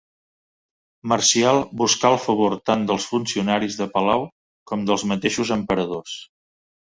Marcial buscà el favor tant dels funcionaris de palau com dels mateixos emperadors.